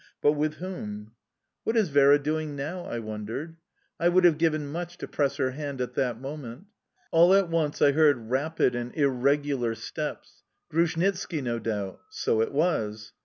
But with whom?... "What is Vera doing now?" I wondered. I would have given much to press her hand at that moment. All at once I heard rapid and irregular steps... Grushnitski, no doubt!... So it was!